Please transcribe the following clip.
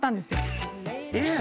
えっ⁉